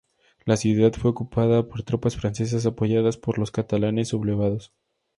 La ciudad fue ocupada por tropas francesas apoyadas por los catalanes sublevados.